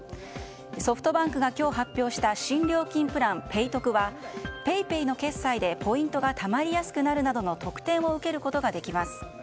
ソフトバンクが今日発表した新料金プラン、ペイトクはＰａｙＰａｙの決済でポイントがたまりやすくなるなどの特典を受けることができます。